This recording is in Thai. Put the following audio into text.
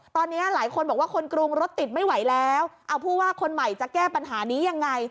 ตอนนี้หลายคนบอกว่าคนกรุงรถติดไม่ไหวแล้วเอาผู้ว่าคนใหม่จะแก้ปัญหานี้ยังไง